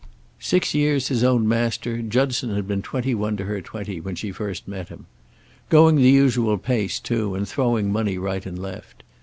Six years his own master, Judson had been twenty one to her twenty, when she first met him. Going the usual pace, too, and throwing money right and left.